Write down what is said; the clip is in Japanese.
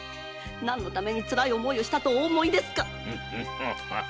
何のためにつらい思いをしたとお思いか？